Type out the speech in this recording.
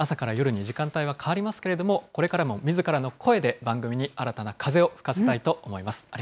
朝から夜に時間帯は変わりますけれども、これからもみずからの声で番組に新たな風を吹かせたいと思います。